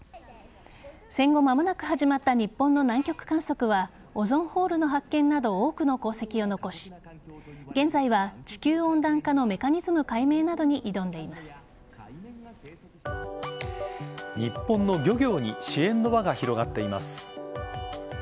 戦後間もなく始まった日本の南極観測はオゾンホールの発見など多くの功績を残し現在は、地球温暖化のメカニズム解明などに日本の漁業に支援の輪が広がっています。